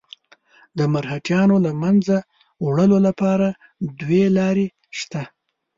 د مرهټیانو له منځه وړلو لپاره دوې لارې شته.